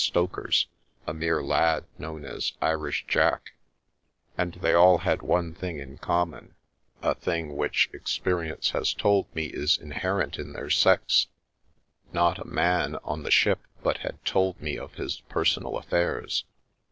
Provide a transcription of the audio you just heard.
stokers, a mere lad, known as " Irish Jack," and tl all had one thing in common — a thing which experie: has told me is inherent in their sex — not a man on t ship but had told me of his personal affairs.